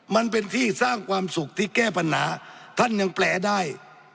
มันเป็นที่สร้างความสุขที่แก้ปัญหาท่านยังแปลได้